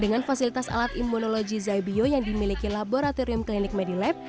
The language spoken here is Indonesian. dengan fasilitas alat immunologi zybio yang dimiliki laboratorium klinik medilab